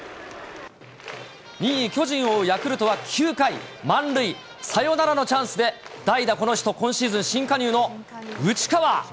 ２位巨人を追うヤクルトは、９回、満塁サヨナラのチャンスで代打この人、今シーズン新加入の内川。